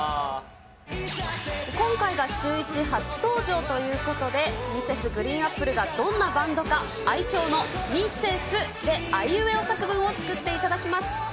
今回がシューイチ初登場ということで、Ｍｒｓ．ＧＲＥＥＮＡＰＰＬＥがどんなバンドか、愛称のミ・セ・スであいうえお作文を作っていただきます。